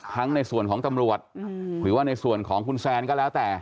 ในส่วนของตำรวจหรือว่าในส่วนของคุณแซนก็แล้วแต่